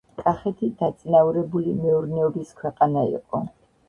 კახეთი დაწინაურებული მეურნეობის ქვეყანა იყო.